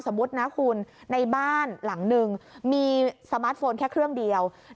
นะคุณในบ้านหลังนึงมีสมาร์ทโฟนแค่เครื่องเดียว